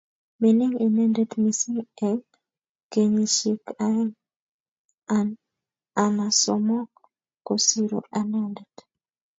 Mining inendet mising eng kenyisiek aeng ana somok kosiro anendet